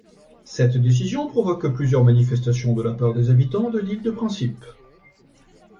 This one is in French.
Cette décision provoque plusieurs manifestations de la part des habitants de l'île de Principe.